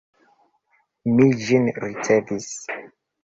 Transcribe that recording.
Mi ĝin ricevis.